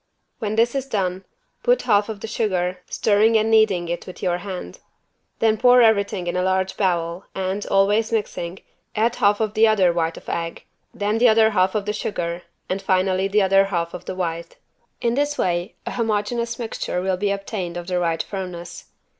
When this is done, put half of the sugar, stirring and kneading with your hand. Then pour everything in a large bowl and, always mixing, add half of the other white of egg, then the other half of the sugar and finally the other half of the white. In this way an homogenous mixture will be obtained of the right firmness.